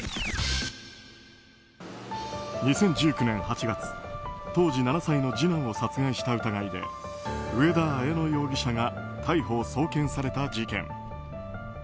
２０１９年８月当時７歳の次男を殺害した疑いで上田綾乃容疑者が逮捕・送検された事件。